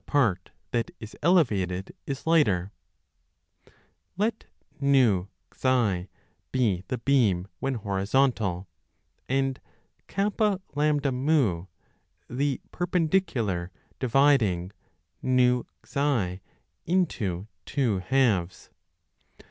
part that is elevated is lighter. Let NS be the beam when horizontal, and KAM the perpendicular dividing NS into two halves.